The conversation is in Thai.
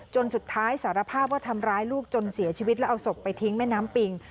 สุดท้ายสารภาพว่าทำร้ายลูกจนเสียชีวิตแล้วเอาศพไปทิ้งแม่น้ำปิง